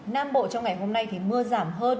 nam bộ trong ngày hôm nay thì mưa giảm hơn